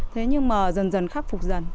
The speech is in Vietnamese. thế nhưng mà dần dần khắc phục dần